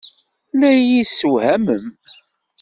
La iyi-tessewhamem.